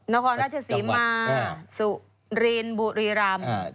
นครราชศรีมาสุรินบุรีรำ